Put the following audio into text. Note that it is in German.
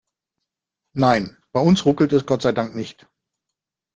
Nein, bei uns ruckelt es Gott sei Dank nicht.